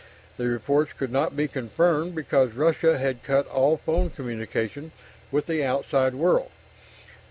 The reports could not be confirmed because Russia had cut all phone communication with the outside world.